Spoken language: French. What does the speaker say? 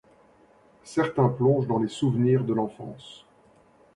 Certains plongent dans les souvenirs de l’enfance.